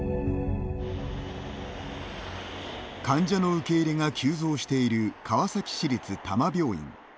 患者の受け入れが急増している川崎市立多摩病院。